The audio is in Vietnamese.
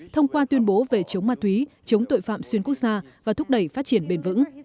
thông qua tuyên bố về chống ma túy chống tội phạm xuyên quốc gia và thúc đẩy phát triển bền vững